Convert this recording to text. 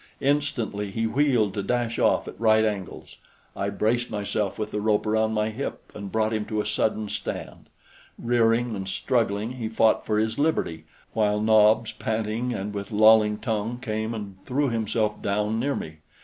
Instantly he wheeled to dash off at right angles. I braced myself with the rope around my hip and brought him to a sudden stand. Rearing and struggling, he fought for his liberty while Nobs, panting and with lolling tongue, came and threw himself down near me.